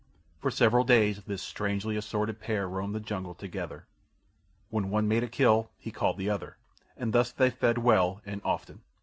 For several days this strangely assorted pair roamed the jungle together. When one made a kill he called the other, and thus they fed well and often.